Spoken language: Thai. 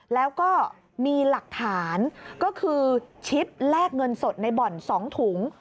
แล้วก็มีหลักฐานก็คือชิปแลกเงินสดในบ่อน๒ถุง